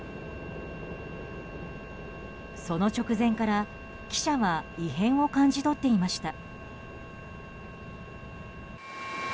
その直前から記者は異変を感じ取っていました。